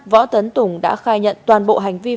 võ tấn tùng đã khai nhận toàn bộ hành vi